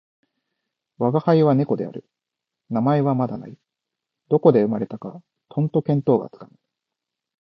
吾輩は猫である。名前はまだない。どこで生れたかとんと見当がつかぬ。